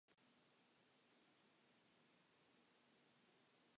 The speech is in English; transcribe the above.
Some of these stories are recreated in paintings and artwork.